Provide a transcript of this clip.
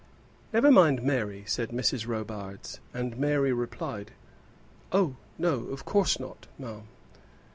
"Never mind, Mary," said Mrs. Robarts, and Mary replied, "Oh, no, of course not, ma'am."